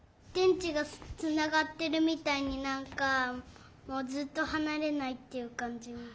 でんちがつながってるみたいになんかもうずっとはなれないっていうかんじ。